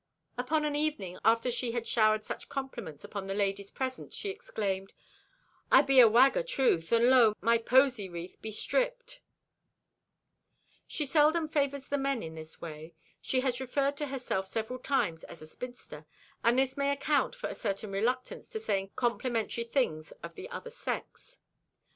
Upon an evening after she had showered such compliments upon the ladies present she exclaimed: "I be a wag atruth, and lo, my posey wreath be stripped!" She seldom favors the men in this way. She has referred to herself several times as a spinster, and this may account for a certain reluctance to saying complimentary things of the other sex.